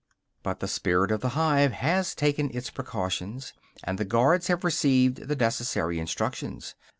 But the spirit of the hive has taken its precautions, and the guards have received the necessary instructions.